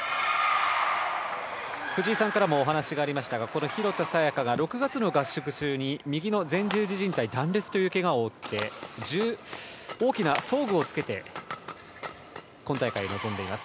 藤井さんからもお話がありましたが廣田彩花が６月の合宿中に右のひざの十字じん帯断裂というけがを負って大きな装具を着けて今大会に臨んでいます。